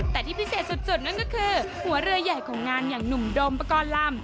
แต่ที่พิเศษสุดนั่นก็คือหัวเรือใหญ่ของงานอย่างหนุ่มโดมปกรณ์ลำ